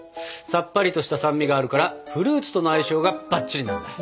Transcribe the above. さっぱりとした酸味があるからフルーツとの相性がバッチリなんだ。